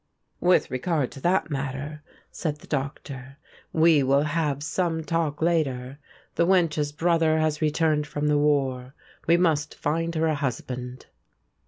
"With regard to that matter," said the Doctor, "we will have some talk later. The wench's brother has returned from the war. We must find her a husband."